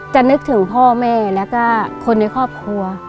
นึกถึงพ่อแม่แล้วก็คนในครอบครัว